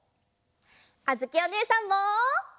あづきおねえさんも！